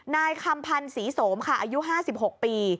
นายคำพันธ์ศรีโสมค่ะอายุ๕๖ปี